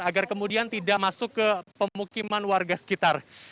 agar kemudian tidak masuk ke pemukiman warga sekitar